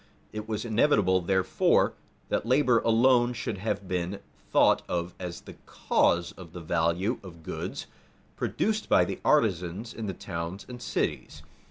It was inevitable, therefore, that labor alone should have been thought of as the cause of the value of goods produced by the artisans in the towns and cities.